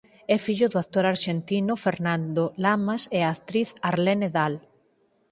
É fillo do actor arxentino Fernando Lamas e a actriz Arlene Dahl.